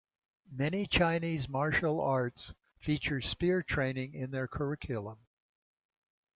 Many Chinese martial arts feature spear training in their curriculum.